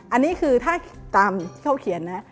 อันนี้คือถ้าตามที่เขาเขียนนะ